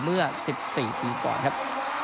เมื่อสิบสี่ปีก่อนครับ